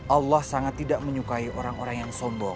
allah sangat tidak menyukai orang orang yang sombong